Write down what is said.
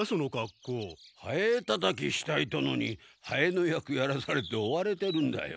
ハエたたきしたい殿にハエの役やらされて追われてるんだよ。